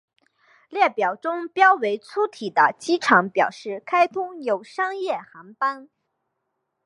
列表中标示为粗体的机场表示开通有商业航班。